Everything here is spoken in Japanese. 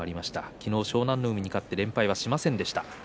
昨日、湘南乃海に勝って連敗はしませんでした。